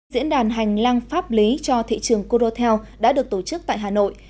diễn đàn hành lang pháp lý cho thị trường codotel đã được tổ chức tại hà nội